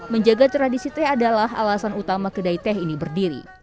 menjaga tradisi teh adalah alasan utama kedai teh ini berdiri